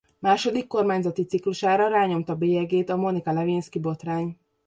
Második kormányzati ciklusára rányomta bélyegét a Monica Lewinsky-botrány.